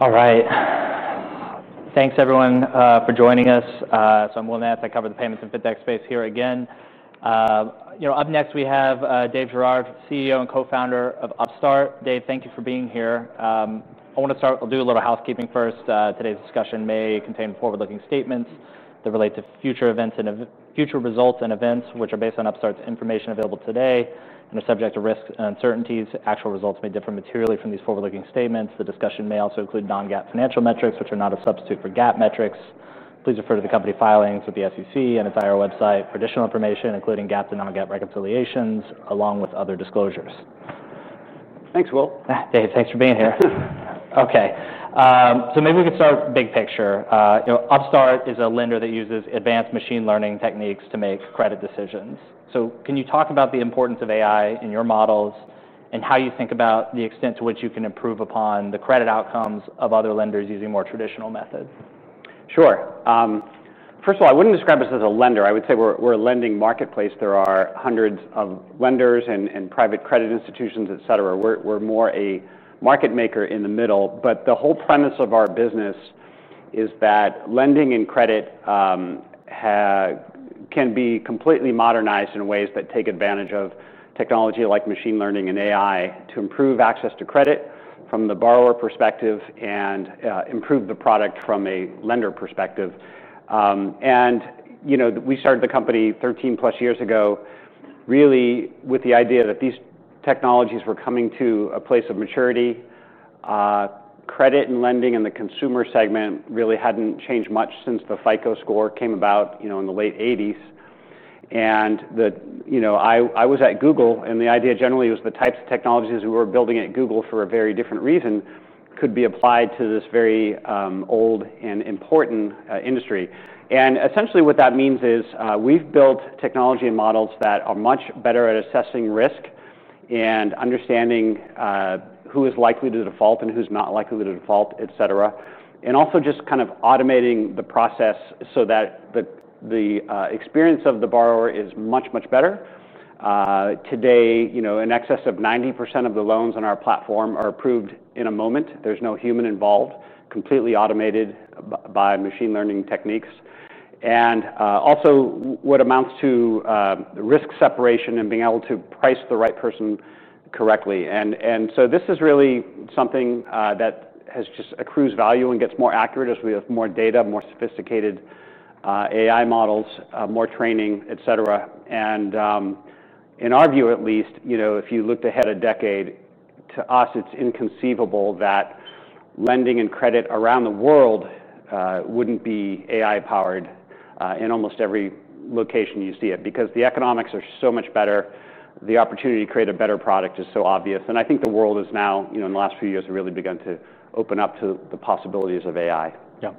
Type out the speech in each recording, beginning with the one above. All right. Thanks, everyone, for joining us. I'm Will Naff. I cover the payments and fintech space here again. Up next, we have Dave Girouard, CEO and co-founder of Upstart. Dave, thank you for being here. I want to start. I'll do a little housekeeping first. Today's discussion may contain forward-looking statements that relate to future events and future results and events which are based on Upstart's information available today and are subject to risks and uncertainties. Actual results may differ materially from these forward-looking statements. The discussion may also include non-GAAP financial metrics, which are not a substitute for GAAP metrics. Please refer to the company filings with the SEC and its IR website for additional information, including GAAP and non-GAAP reconciliations, along with other disclosures. Thanks, Will. Dave, thanks for being here. OK, maybe we could start big picture. You know, Upstart is a lender that uses advanced machine learning techniques to make credit decisions. Can you talk about the importance of AI in your models and how you think about the extent to which you can improve upon the credit outcomes of other lenders using more traditional methods? Sure. First of all, I wouldn't describe us as a lender. I would say we're a lending marketplace. There are hundreds of lenders and private credit institutions, et cetera. We're more a market maker in the middle. The whole premise of our business is that lending and credit can be completely modernized in ways that take advantage of technology like machine learning and AI to improve access to credit from the borrower perspective and improve the product from a lender perspective. We started the company 13-plus years ago, really, with the idea that these technologies were coming to a place of maturity. Credit and lending in the consumer segment really hadn't changed much since the FICO score came about, you know, in the late 1980s. I was at Google. The idea generally was the types of technologies we were building at Google for a very different reason could be applied to this very old and important industry. Essentially, what that means is we've built technology and models that are much better at assessing risk and understanding who is likely to default and who's not likely to default, et cetera, and also just kind of automating the process so that the experience of the borrower is much, much better. Today, in excess of 90% of the loans on our platform are approved in a moment. There's no human involved, completely automated by machine learning techniques, and also what amounts to risk separation and being able to price the right person correctly. This is really something that has just accrued value and gets more accurate as we have more data, more sophisticated AI models, more training, et cetera. In our view, at least, if you looked ahead a decade, to us, it's inconceivable that lending and credit around the world wouldn't be AI-powered in almost every location you see it, because the economics are so much better. The opportunity to create a better product is so obvious. I think the world has now, in the last few years, really begun to open up to the possibilities of AI. Yeah.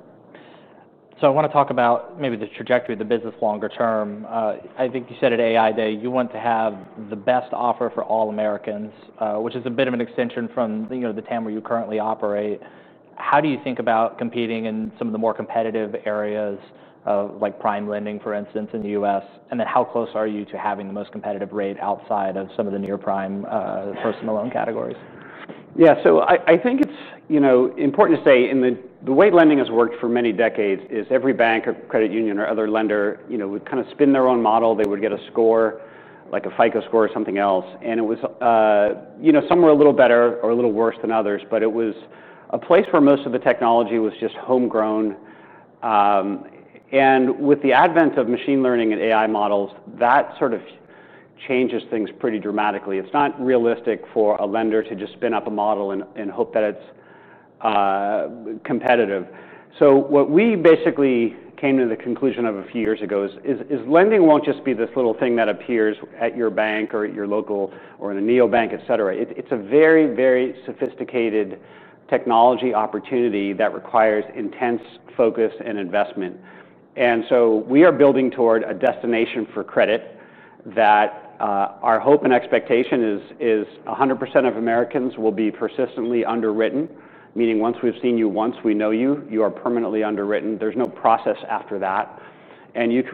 I want to talk about maybe the trajectory of the business longer term. I think you said at AI Day you want to have the best offer for all Americans, which is a bit of an extension from the TAM where you currently operate. How do you think about competing in some of the more competitive areas, like Prime Lending, for instance, in the U.S.? How close are you to having the most competitive rate outside of some of the near Prime personal loan categories? Yeah, I think it's important to say the way lending has worked for many decades is every bank or credit union or other lender would kind of spin their own model. They would get a score, like a FICO score or something else. Some were a little better or a little worse than others. It was a place where most of the technology was just homegrown. With the advent of machine learning and AI models, that changes things pretty dramatically. It's not realistic for a lender to just spin up a model and hope that it's competitive. What we basically came to the conclusion of a few years ago is lending won't just be this little thing that appears at your bank or at your local or in a neobank, et cetera. It's a very, very sophisticated technology opportunity that requires intense focus and investment. We are building toward a destination for credit that our hope and expectation is 100% of Americans will be persistently underwritten, meaning once we've seen you, once we know you, you are permanently underwritten. There's no process after that.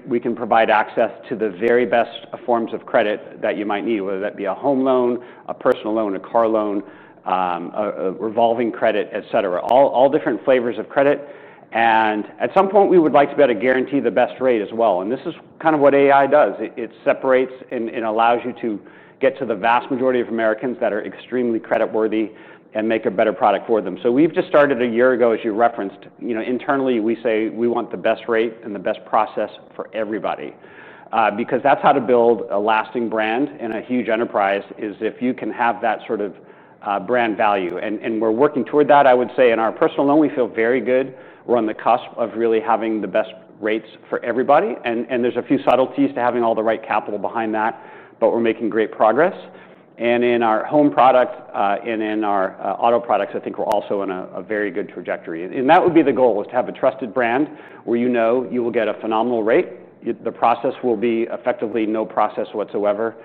We can provide access to the very best forms of credit that you might need, whether that be a home loan, a personal loan, a car loan, a revolving credit, et cetera, all different flavors of credit. At some point, we would like to be able to guarantee the best rate as well. This is what AI does. It separates and allows you to get to the vast majority of Americans that are extremely credit-worthy and make a better product for them. We just started a year ago, as you referenced. Internally, we say we want the best rate and the best process for everybody, because that's how to build a lasting brand in a huge enterprise is if you can have that sort of brand value. We're working toward that, I would say. In our personal loan, we feel very good. We're on the cusp of really having the best rates for everybody. There's a few subtleties to having all the right capital behind that, but we're making great progress. In our home product and in our auto products, I think we're also on a very good trajectory. That would be the goal, to have a trusted brand where you know you will get a phenomenal rate. The process will be effectively no process whatsoever.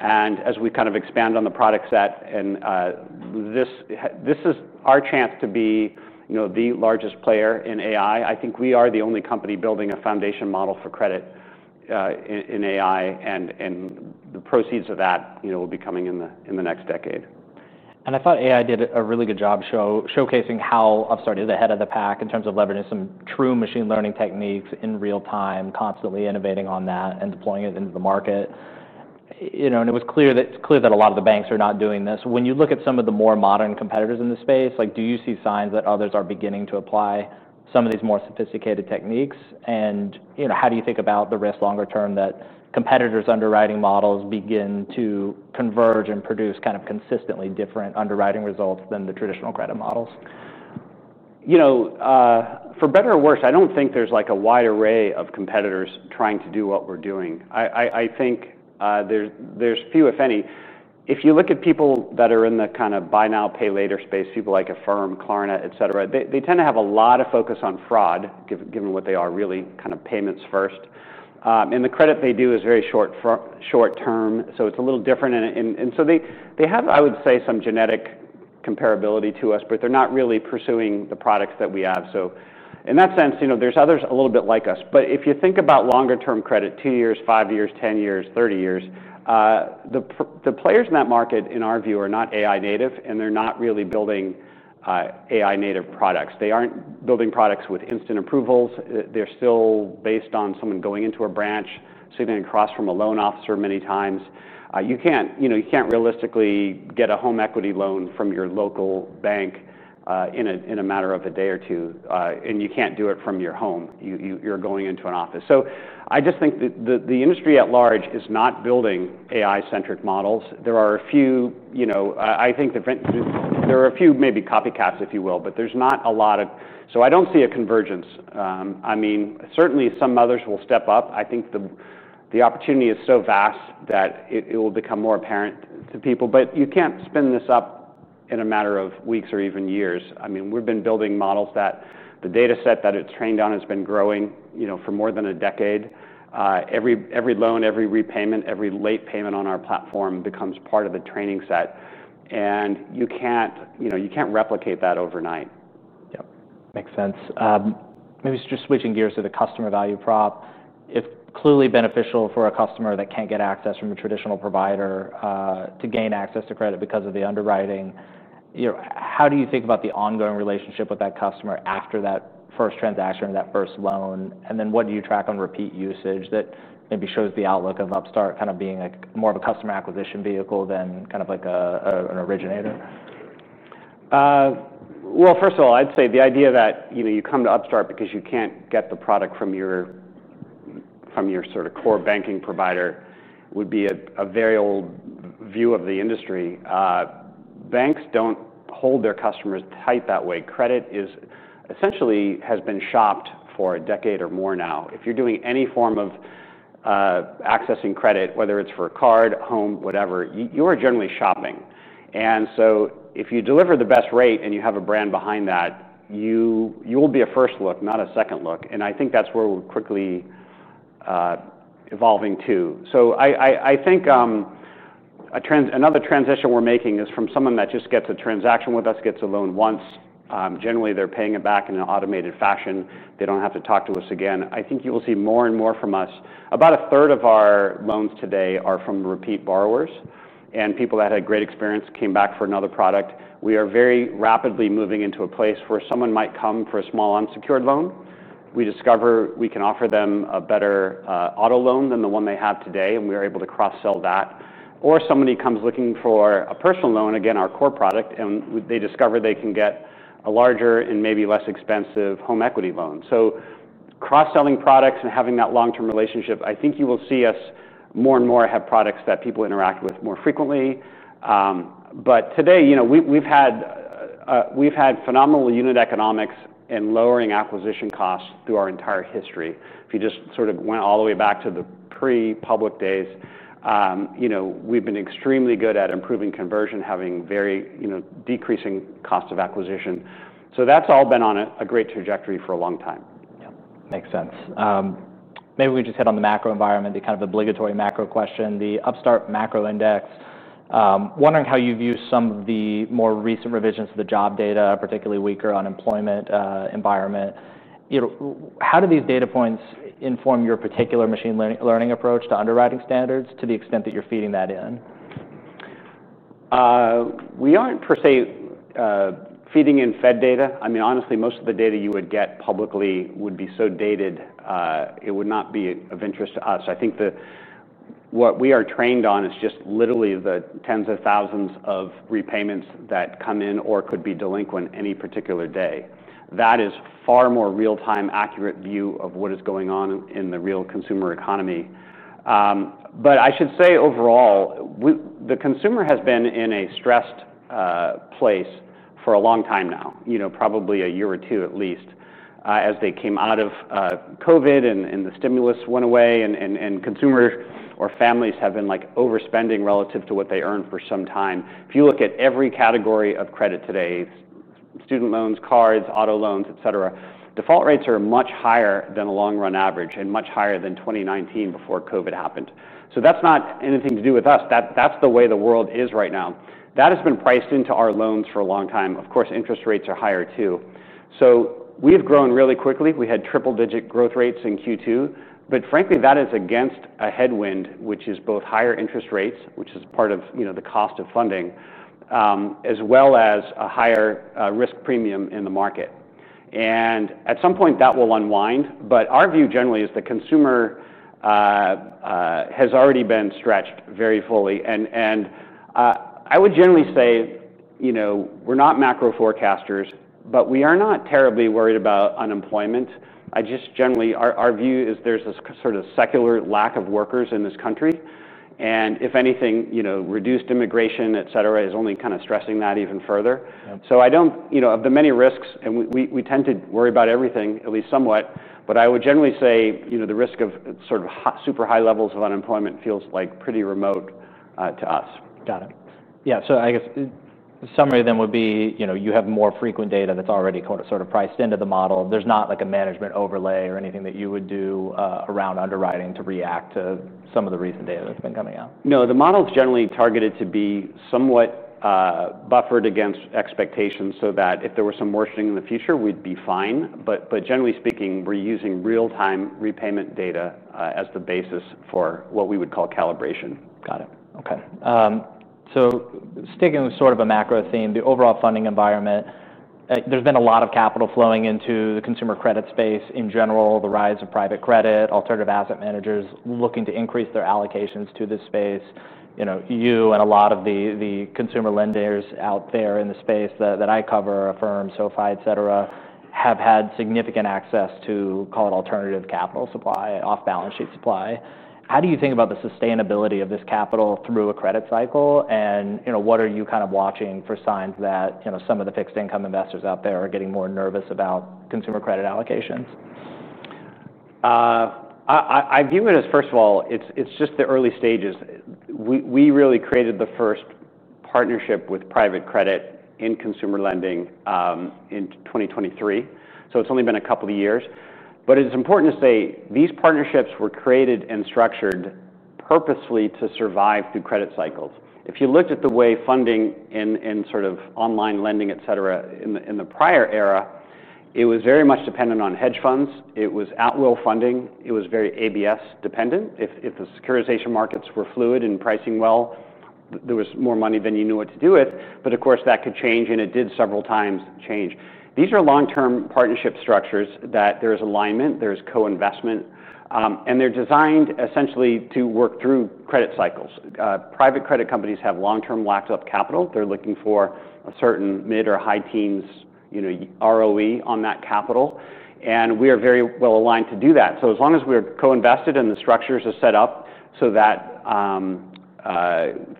As we expand on the product set, this is our chance to be the largest player in AI. I think we are the only company building a foundation model for credit in AI. The proceeds of that will be coming in the next decade. I thought AI did a really good job showcasing how Upstart is ahead of the pack in terms of leveraging some true machine learning techniques in real time, constantly innovating on that and deploying it into the market. It was clear that a lot of the banks are not doing this. When you look at some of the more modern competitors in the space, like, do you see signs that others are beginning to apply some of these more sophisticated techniques? How do you think about the risk longer term that competitors' underwriting models begin to converge and produce kind of consistently different underwriting results than the traditional credit models? You know, for better or worse, I don't think there's like a wide array of competitors trying to do what we're doing. I think there's few, if any. If you look at people that are in the kind of buy now, pay later space, people like Affirm, Klarna, et cetera, they tend to have a lot of focus on fraud, given what they are, really kind of payments first. The credit they do is very short term. It's a little different. They have, I would say, some genetic comparability to us, but they're not really pursuing the products that we have. In that sense, there's others a little bit like us. If you think about longer-term credit, two years, five years, 10 years, 30 years, the players in that market, in our view, are not AI-native. They're not really building AI-native products. They aren't building products with instant approvals. They're still based on someone going into a branch, sitting across from a loan officer many times. You can't realistically get a home equity loan from your local bank in a matter of a day or two. You can't do it from your home. You're going into an office. I just think that the industry at large is not building AI-centric models. There are a few, maybe copycats, if you will, but there's not a lot of, I don't see a convergence. Certainly, some others will step up. I think the opportunity is so vast that it will become more apparent to people. You can't spin this up in a matter of weeks or even years. We've been building models that the data set that it's trained on has been growing for more than a decade. Every loan, every repayment, every late payment on our platform becomes part of the training set. You can't replicate that overnight. Yeah, makes sense. Maybe just switching gears to the customer value prop. It's clearly beneficial for a customer that can't get access from a traditional provider to gain access to credit because of the underwriting. How do you think about the ongoing relationship with that customer after that first transaction or that first loan? What do you track on repeat usage that maybe shows the outlook of Upstart kind of being like more of a customer acquisition vehicle than kind of like an originator? First of all, I'd say the idea that you come to Upstart because you can't get the product from your sort of core banking provider would be a very old view of the industry. Banks don't hold their customers tight that way. Credit essentially has been shopped for a decade or more now. If you're doing any form of accessing credit, whether it's for a card, home, whatever, you are generally shopping. If you deliver the best rate and you have a brand behind that, you will be a first look, not a second look. I think that's where we're quickly evolving too. I think another transition we're making is from someone that just gets a transaction with us, gets a loan once. Generally, they're paying it back in an automated fashion. They don't have to talk to us again. I think you will see more and more from us. About a third of our loans today are from repeat borrowers. People that had a great experience came back for another product. We are very rapidly moving into a place where someone might come for a small unsecured loan. We discover we can offer them a better auto loan than the one they have today. We are able to cross-sell that. Somebody comes looking for a personal loan, again, our core product, and they discover they can get a larger and maybe less expensive home equity loan. Cross-selling products and having that long-term relationship, I think you will see us more and more have products that people interact with more frequently. Today, you know, we've had phenomenal unit economics in lowering acquisition costs through our entire history. If you just sort of went all the way back to the pre-public days, you know, we've been extremely good at improving conversion, having very decreasing costs of acquisition. That's all been on a great trajectory for a long time. Yeah, makes sense. Maybe we just hit on the macro environment, the kind of obligatory macro question, the Upstart macro index. Wondering how you view some of the more recent revisions to the job data, particularly weaker unemployment environment. How do these data points inform your particular machine learning approach to underwriting standards to the extent that you're feeding that in? We aren't per se feeding in Fed data. Honestly, most of the data you would get publicly would be so dated, it would not be of interest to us. I think what we are trained on is just literally the tens of thousands of repayments that come in or could be delinquent any particular day. That is a far more real-time, accurate view of what is going on in the real consumer economy. I should say overall, the consumer has been in a stressed place for a long time now, probably a year or two at least, as they came out of COVID and the stimulus went away. Consumers or families have been overspending relative to what they earned for some time. If you look at every category of credit today, student loans, cards, auto loans, et cetera, default rates are much higher than a long-run average and much higher than 2019 before COVID happened. That is not anything to do with us. That is the way the world is right now. That has been priced into our loans for a long time. Of course, interest rates are higher too. We have grown really quickly. We had triple-digit growth rates in Q2. Frankly, that is against a headwind, which is both higher interest rates, which is part of the cost of funding, as well as a higher risk premium in the market. At some point, that will unwind. Our view generally is the consumer has already been stretched very fully. I would generally say we are not macro forecasters. We are not terribly worried about unemployment. Our view is there is a sort of secular lack of workers in this country. If anything, reduced immigration, et cetera, is only kind of stressing that even further. Of the many risks, and we tend to worry about everything, at least somewhat, I would generally say the risk of sort of super high levels of unemployment feels pretty remote to us. Got it. Yeah, I guess the summary then would be, you have more frequent data that's already sort of priced into the model. There's not like a management overlay or anything that you would do around underwriting to react to some of the recent data that's been coming out. No, the model is generally targeted to be somewhat buffered against expectations, so that if there were some worsening in the future, we'd be fine. Generally speaking, we're using real-time repayment data as the basis for what we would call calibration. Got it. OK. Sticking with sort of a macro theme, the overall funding environment, there's been a lot of capital flowing into the consumer credit space in general, the rise of private credit, alternative asset managers looking to increase their allocations to this space. You and a lot of the consumer lenders out there in the space that I cover, Affirm, SoFi, et cetera, have had significant access to, call it, alternative capital supply, off-balance sheet supply. How do you think about the sustainability of this capital through a credit cycle? What are you kind of watching for signs that some of the fixed-income investors out there are getting more nervous about consumer credit allocations? I view it as, first of all, it's just the early stages. We really created the first partnership with private credit in consumer lending in 2023. It's only been a couple of years. It's important to say these partnerships were created and structured purposely to survive through credit cycles. If you looked at the way funding and sort of online lending, et cetera, in the prior era, it was very much dependent on hedge funds. It was at-will funding. It was very ABS-dependent. If the securitization markets were fluid and pricing well, there was more money than you knew what to do with. Of course, that could change. It did several times change. These are long-term partnership structures that there is alignment. There is co-investment. They're designed essentially to work through credit cycles. Private credit companies have long-term locked-up capital. They're looking for a certain mid or high teens, you know, ROE on that capital. We are very well aligned to do that. As long as we are co-invested and the structures are set up so that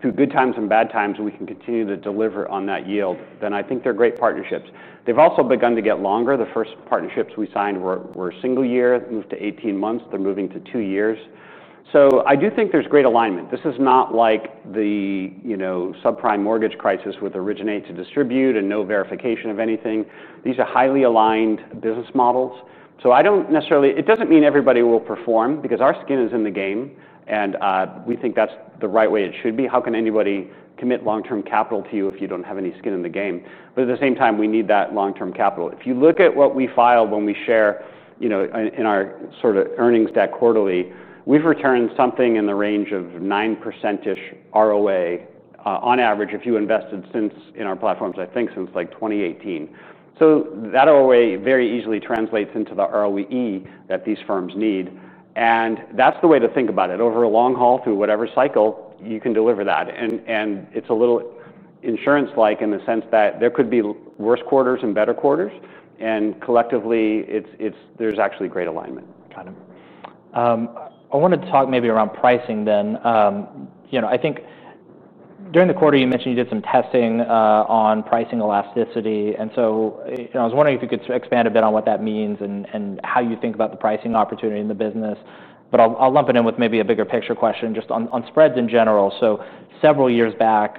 through good times and bad times, we can continue to deliver on that yield, I think they're great partnerships. They've also begun to get longer. The first partnerships we signed were single-year, moved to 18 months. They're moving to two years. I do think there's great alignment. This is not like the subprime mortgage crisis with originate to distribute and no verification of anything. These are highly aligned business models. I don't necessarily, it doesn't mean everybody will perform, because our skin is in the game. We think that's the right way it should be. How can anybody commit long-term capital to you if you don't have any skin in the game? At the same time, we need that long-term capital. If you look at what we file when we share, you know, in our sort of earnings deck quarterly, we've returned something in the range of 9%-ish ROA on average if you invested since in our platforms, I think, since like 2018. That ROA very easily translates into the ROE that these firms need. That's the way to think about it. Over a long haul, through whatever cycle, you can deliver that. It's a little insurance-like in the sense that there could be worse quarters and better quarters. Collectively, there's actually great alignment. Got it. I want to talk maybe around pricing then. I think during the quarter, you mentioned you did some testing on pricing elasticity. I was wondering if you could expand a bit on what that means and how you think about the pricing opportunity in the business. I'll lump it in with maybe a bigger picture question just on spreads in general. Several years back,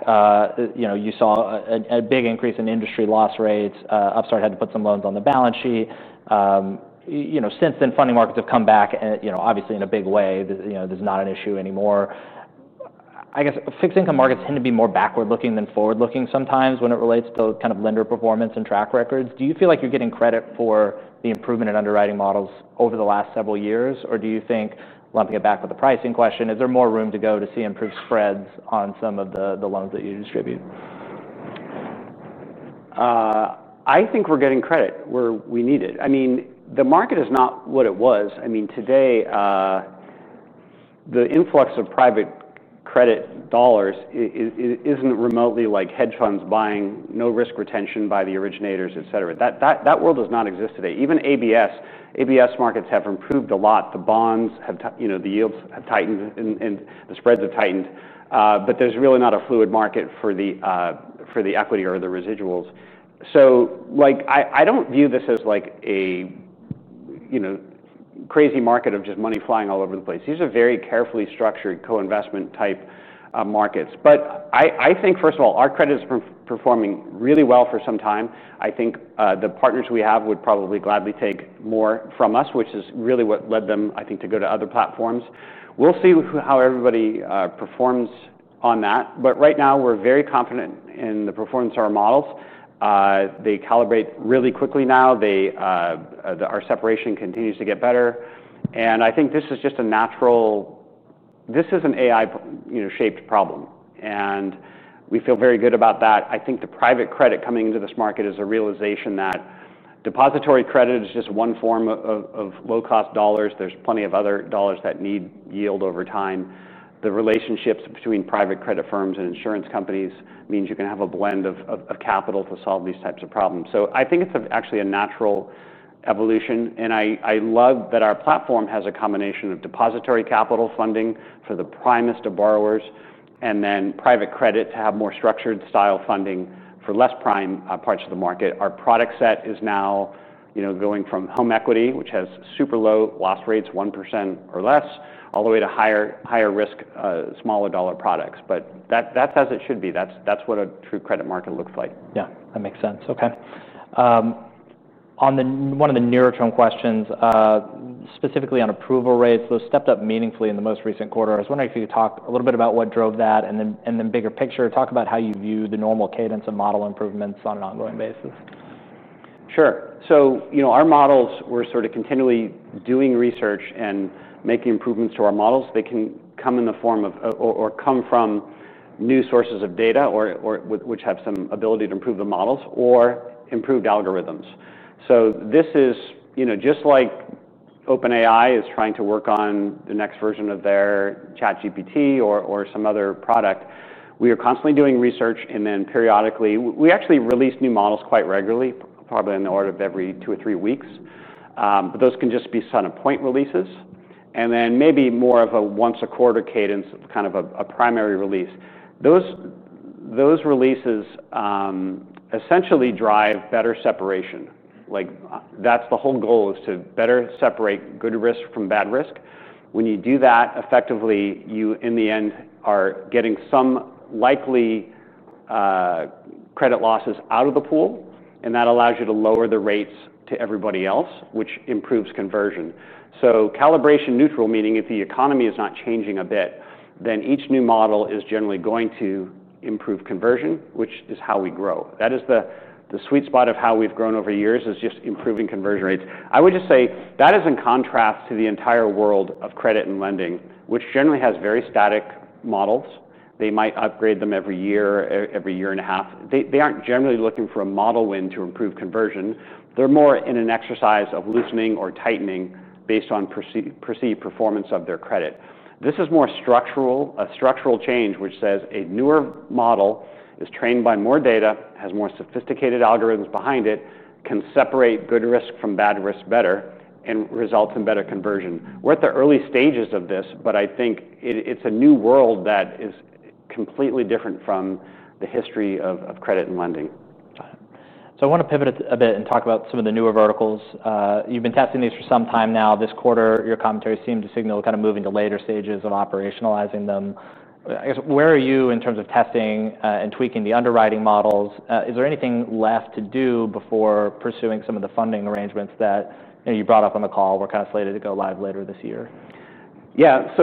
you saw a big increase in industry loss rates. Upstart had to put some loans on the balance sheet. Since then, funding markets have come back, obviously in a big way. There's not an issue anymore. I guess fixed-income markets tend to be more backward-looking than forward-looking sometimes when it relates to kind of lender performance and track records. Do you feel like you're getting credit for the improvement in underwriting models over the last several years? Do you think, I'll get back with the pricing question, is there more room to go to see improved spreads on some of the loans that you distribute? I think we're getting credit where we need it. I mean, the market is not what it was. Today, the influx of private credit dollars isn't remotely like hedge funds buying, no risk retention by the originators, et cetera. That world does not exist today. Even ABS, ABS markets have improved a lot. The bonds have, you know, the yields have tightened and the spreads have tightened. There's really not a fluid market for the equity or the residuals. I don't view this as like a, you know, crazy market of just money flying all over the place. These are very carefully structured co-investment type markets. I think, first of all, our credit is performing really well for some time. I think the partners we have would probably gladly take more from us, which is really what led them, I think, to go to other platforms. We'll see how everybody performs on that. Right now, we're very confident in the performance of our models. They calibrate really quickly now. Our separation continues to get better. I think this is just a natural, this is an AI-shaped problem. We feel very good about that. I think the private credit coming into this market is a realization that depository credit is just one form of low-cost dollars. There's plenty of other dollars that need yield over time. The relationships between private credit firms and insurance companies mean you can have a blend of capital to solve these types of problems. I think it's actually a natural evolution. I love that our platform has a combination of depository capital funding for the primest of borrowers and then private credit to have more structured style funding for less prime parts of the market. Our product set is now, you know, going from home equity, which has super low loss rates, 1% or less, all the way to higher risk, smaller dollar products. That's as it should be. That's what a true credit market looks like. Yeah, that makes sense. OK. One of the nearer-term questions, specifically on approval rates, those stepped up meaningfully in the most recent quarter. I was wondering if you could talk a little bit about what drove that, and the bigger picture, talk about how you view the normal cadence of model improvements on an ongoing basis. Sure. Our models, we're sort of continually doing research and making improvements to our models. They can come in the form of or come from new sources of data which have some ability to improve the models or improved algorithms. This is just like OpenAI is trying to work on the next version of their ChatGPT or some other product. We are constantly doing research. Periodically, we actually release new models quite regularly, probably in the order of every two or three weeks. Those can just be sudden point releases and then maybe more of a once-a-quarter cadence, kind of a primary release. Those releases essentially drive better separation. That's the whole goal, to better separate good risk from bad risk. When you do that effectively, you, in the end, are getting some likely credit losses out of the pool. That allows you to lower the rates to everybody else, which improves conversion. Calibration neutral, meaning if the economy is not changing a bit, then each new model is generally going to improve conversion, which is how we grow. That is the sweet spot of how we've grown over years, just improving conversion rates. I would just say that is in contrast to the entire world of credit and lending, which generally has very static models. They might upgrade them every year, every year and a half. They aren't generally looking for a model win to improve conversion. They're more in an exercise of loosening or tightening based on perceived performance of their credit. This is more structural, a structural change which says a newer model is trained by more data, has more sophisticated algorithms behind it, can separate good risk from bad risk better, and results in better conversion. We're at the early stages of this. I think it's a new world that is completely different from the history of credit and lending. I want to pivot a bit and talk about some of the newer verticals. You've been testing these for some time now. This quarter, your commentary seemed to signal kind of moving to later stages of operationalizing them. I guess, where are you in terms of testing and tweaking the underwriting models? Is there anything left to do before pursuing some of the funding arrangements that you brought up on the call? We're kind of slated to go live later this year. Yeah,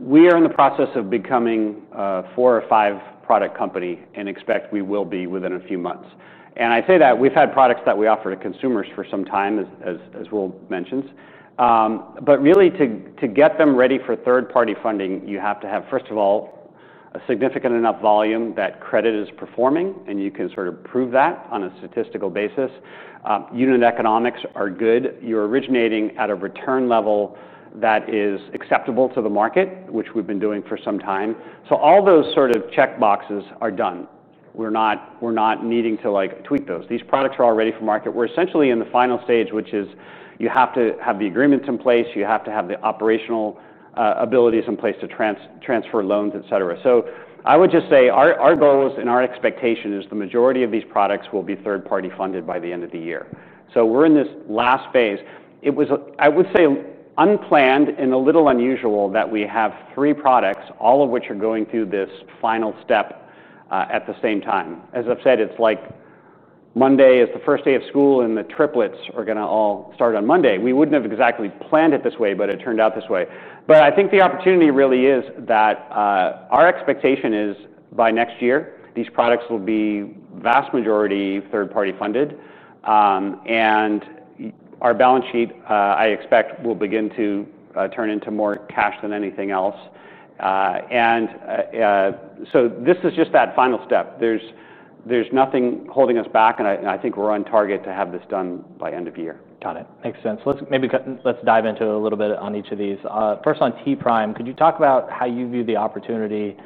we are in the process of becoming a four or five product company and expect we will be within a few months. I say that we've had products that we offer to consumers for some time, as Will mentioned. To get them ready for third-party funding, you have to have, first of all, a significant enough volume that credit is performing, and you can sort of prove that on a statistical basis. Unit economics are good. You're originating at a return level that is acceptable to the market, which we've been doing for some time. All those sort of checkboxes are done. We're not needing to tweak those. These products are already for market. We're essentially in the final stage, which is you have to have the agreements in place. You have to have the operational abilities in place to transfer loans, et cetera. I would just say our goals and our expectation is the majority of these products will be third-party funded by the end of the year. We're in this last phase. It was, I would say, unplanned and a little unusual that we have three products, all of which are going through this final step at the same time. As I've said, it's like Monday is the first day of school, and the triplets are going to all start on Monday. We wouldn't have exactly planned it this way. It turned out this way. I think the opportunity really is that our expectation is by next year, these products will be vast majority third-party funded. Our balance sheet, I expect, will begin to turn into more cash than anything else. This is just that final step. There's nothing holding us back. I think we're on target to have this done by end of year. Got it. Makes sense. Let's maybe dive into a little bit on each of these. First, on Prime, could you talk about how you view the opportunity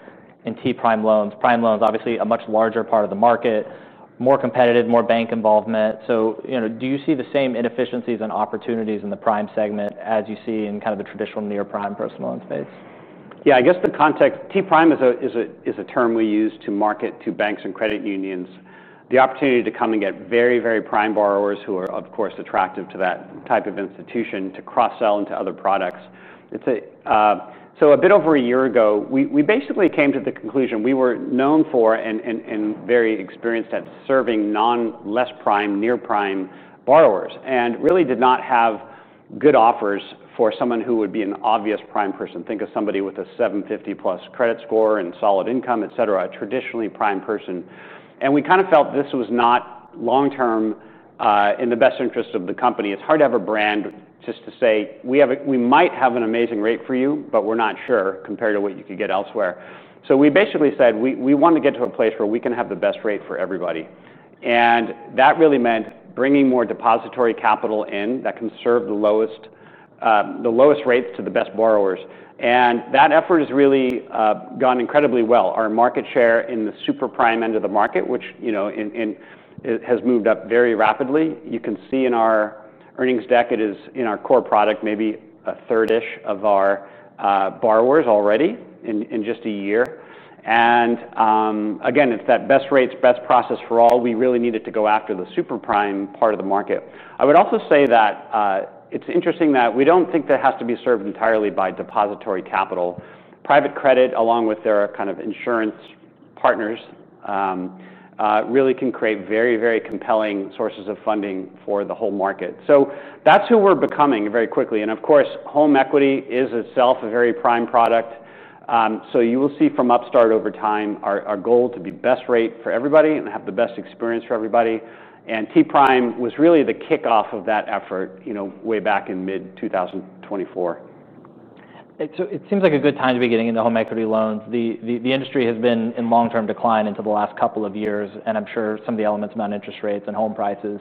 in Prime loans? Prime loans, obviously, a much larger part of the market, more competitive, more bank involvement. Do you see the same inefficiencies and opportunities in the Prime segment as you see in kind of the traditional near Prime personal loan space? Yeah, I guess the context, T-Prime is a term we use to market to banks and credit unions, the opportunity to come and get very, very prime borrowers who are, of course, attractive to that type of institution, to cross-sell into other products. A bit over a year ago, we basically came to the conclusion we were known for and very experienced at serving non-less Prime, near Prime borrowers and really did not have good offers for someone who would be an obvious Prime person. Think of somebody with a 750-plus credit score and solid income, et cetera, a traditionally Prime person. We kind of felt this was not long-term in the best interest of the company. It's hard to have a brand just to say, we might have an amazing rate for you, but we're not sure compared to what you could get elsewhere. We basically said we want to get to a place where we can have the best rate for everybody. That really meant bringing more depository capital in that can serve the lowest rates to the best borrowers. That effort has really gone incredibly well. Our market share in the super Prime end of the market, which has moved up very rapidly, you can see in our earnings deck, it is in our core product, maybe a third-ish of our borrowers already in just a year. Again, it's that best rates, best process for all. We really needed to go after the super Prime part of the market. I would also say that it's interesting that we don't think that has to be served entirely by depository capital. Private credit, along with their kind of insurance partners, really can create very, very compelling sources of funding for the whole market. That's who we're becoming very quickly. Of course, home equity is itself a very Prime product. You will see from Upstart over time, our goal to be best rate for everybody and have the best experience for everybody. T-Prime was really the kickoff of that effort, way back in mid-2024. It seems like a good time to be getting into home equity lines of credit. The industry has been in long-term decline until the last couple of years. I'm sure some of the elements around interest rates and home prices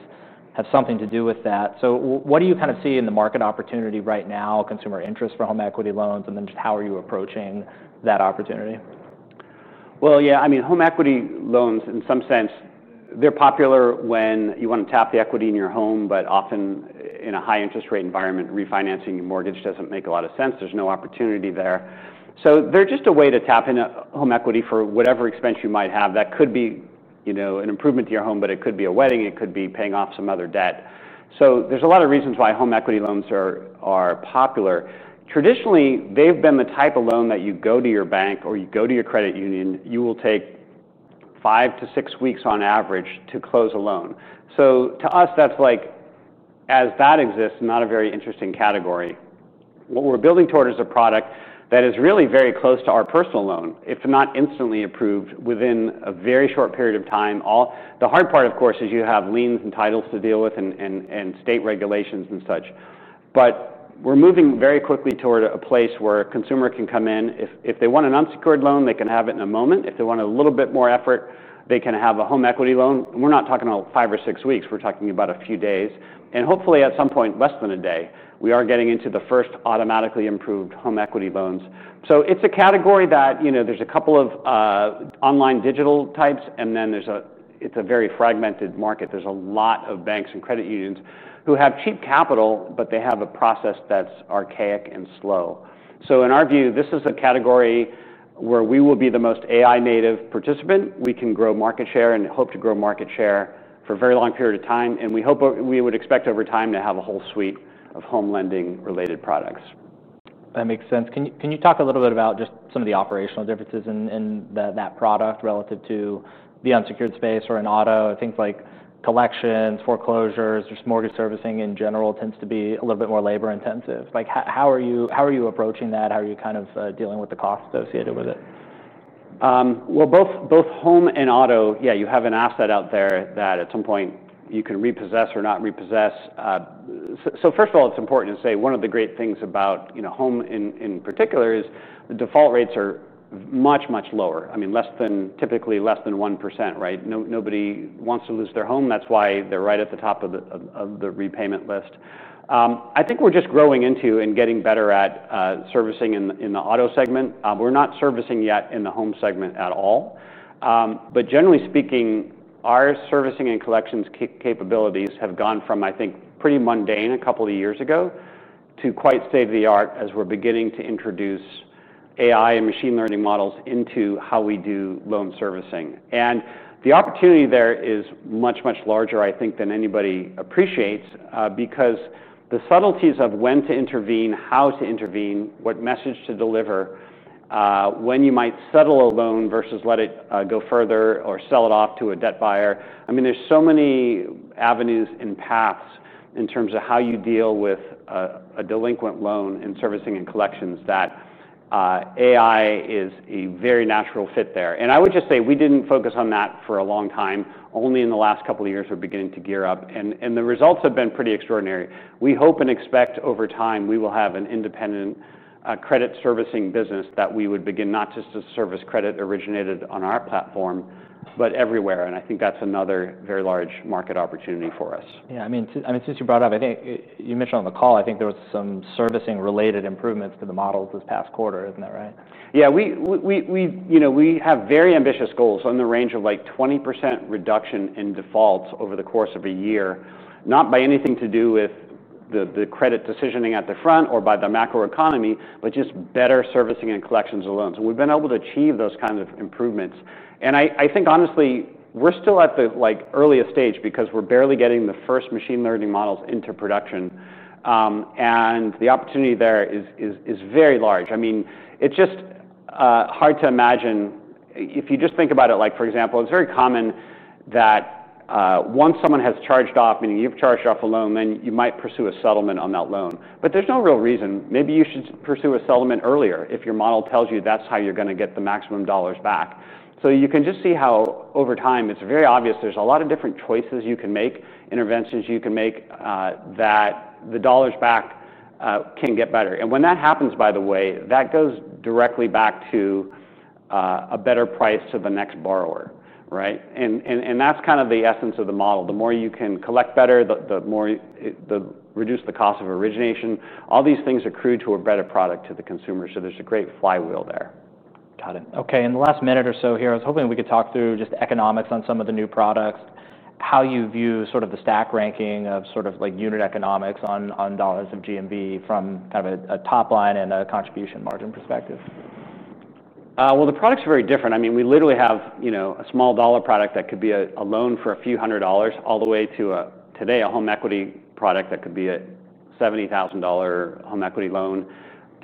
have something to do with that. What do you kind of see in the market opportunity right now, consumer interest for home equity lines of credit? How are you approaching that opportunity? Home equity lines of credit, in some sense, they're popular when you want to tap the equity in your home. Often, in a high-interest rate environment, refinancing your mortgage doesn't make a lot of sense. There's no opportunity there. They're just a way to tap into home equity for whatever expense you might have. That could be an improvement to your home, a wedding, or paying off some other debt. There are a lot of reasons why home equity lines of credit are popular. Traditionally, they've been the type of loan that you go to your bank or your credit union for, and it will take five to six weeks on average to close a loan. To us, as that exists, it's not a very interesting category. What we're building toward is a product that is really very close to our personal loan. It's not instantly approved, but within a very short period of time. The hard part, of course, is you have liens and titles to deal with and state regulations and such. We're moving very quickly toward a place where a consumer can come in. If they want an unsecured loan, they can have it in a moment. If they want a little bit more effort, they can have a home equity line of credit. We're not talking about five or six weeks. We're talking about a few days, and hopefully, at some point, less than a day. We are getting into the first automatically approved home equity lines of credit. It's a category where there are a couple of online digital types. It's a very fragmented market. There are a lot of banks and credit unions who have cheap capital, but they have a process that's archaic and slow. In our view, this is a category where we will be the most AI-native participant. We can grow market share and hope to grow market share for a very long period of time. We hope we would expect over time to have a whole suite of home lending-related products. That makes sense. Can you talk a little bit about just some of the operational differences in that product relative to the unsecured space or in auto? I think collections, foreclosures, just mortgage servicing in general tends to be a little bit more labor-intensive. How are you approaching that? How are you kind of dealing with the costs associated with it? Both home and auto, you have an asset out there that at some point you can repossess or not repossess. First of all, it's important to say one of the great things about home in particular is the default rates are much, much lower. I mean, typically less than 1%, right? Nobody wants to lose their home. That's why they're right at the top of the repayment list. I think we're just growing into and getting better at servicing in the auto segment. We're not servicing yet in the home segment at all. Generally speaking, our servicing and collections capabilities have gone from, I think, pretty mundane a couple of years ago to quite state-of-the-art as we're beginning to introduce AI and machine learning models into how we do loan servicing. The opportunity there is much, much larger, I think, than anybody appreciates, because the subtleties of when to intervene, how to intervene, what message to deliver, when you might settle a loan versus let it go further or sell it off to a debt buyer. There are so many avenues and paths in terms of how you deal with a delinquent loan in servicing and collections that AI is a very natural fit there. I would just say we didn't focus on that for a long time. Only in the last couple of years, we're beginning to gear up. The results have been pretty extraordinary. We hope and expect over time we will have an independent credit servicing business that we would begin not just to service credit originated on our platform, but everywhere. I think that's another very large market opportunity for us. Yeah, I mean, since you brought it up, I think you mentioned on the call, I think there were some servicing-related improvements to the models this past quarter. Isn't that right? Yeah, we have very ambitious goals in the range of like 20% reduction in defaults over the course of a year, not by anything to do with the credit decisioning at the front or by the macroeconomy, but just better servicing and collections alone. We've been able to achieve those kinds of improvements. I think, honestly, we're still at the earliest stage because we're barely getting the first machine learning models into production. The opportunity there is very large. It's just hard to imagine. If you just think about it, for example, it's very common that once someone has charged off, meaning you've charged off a loan, you might pursue a settlement on that loan. There's no real reason. Maybe you should pursue a settlement earlier if your model tells you that's how you're going to get the maximum dollars back. You can just see how over time, it's very obvious there's a lot of different choices you can make, interventions you can make that the dollars back can get better. When that happens, by the way, that goes directly back to a better price to the next borrower, right? That's kind of the essence of the model. The more you can collect better, the more you reduce the cost of origination. All these things accrue to a better product to the consumer. There's a great flywheel there. Got it. OK, in the last minute or so here, I was hoping we could talk through just economics on some of the new products, how you view sort of the stack ranking of sort of like unit economics on dollars of GMB from kind of a top line and a contribution margin perspective. The products are very different. I mean, we literally have a small-dollar product that could be a loan for a few hundred dollars all the way to today a home equity product that could be a $70,000 home equity loan.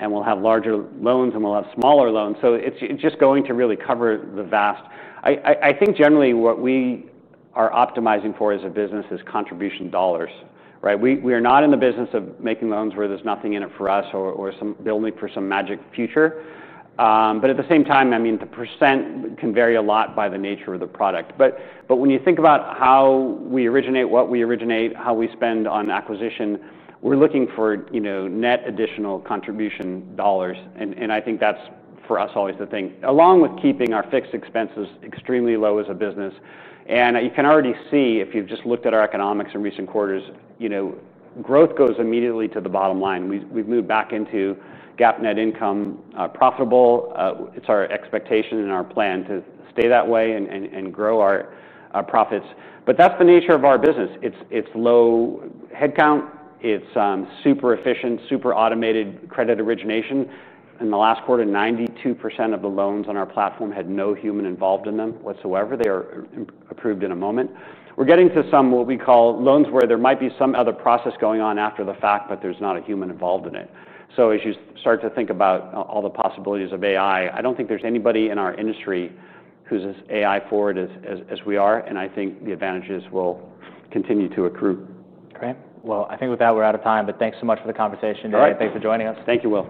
We will have larger loans and we will have smaller loans. It is just going to really cover the vast. I think generally what we are optimizing for as a business is contribution dollars, right? We are not in the business of making loans where there's nothing in it for us or building it for some magic future. At the same time, the % can vary a lot by the nature of the product. When you think about how we originate, what we originate, how we spend on acquisition, we're looking for net additional contribution dollars. I think that's for us always the thing, along with keeping our fixed expenses extremely low as a business. You can already see if you've just looked at our economics in recent quarters, growth goes immediately to the bottom line. We've moved back into GAAP net income profitable. It's our expectation and our plan to stay that way and grow our profits. That's the nature of our business. It's low headcount. It's super efficient, super automated credit origination. In the last quarter, 92% of the loans on our platform had no human involved in them whatsoever. They are approved in a moment. We're getting to some what we call loans where there might be some other process going on after the fact, but there's not a human involved in it. As you start to think about all the possibilities of AI, I don't think there's anybody in our industry who's as AI-forward as we are. I think the advantages will continue to accrue. Great. I think with that, we're out of time. Thanks so much for the conversation today, and thanks for joining us. Thank you both.